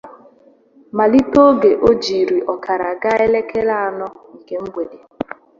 malite oge o jiri ọkara gaa elekere anọ nke mgbede